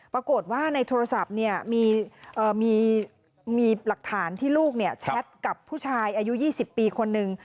ปรากฏว่าในโทรศัพท์มีหลักฐานที่ลูกแชทกับผู้ชายอายุ๒๐ปีคนนึง